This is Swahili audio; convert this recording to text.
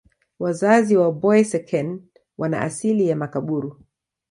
Wazazi wa Boeseken wana asili ya Makaburu.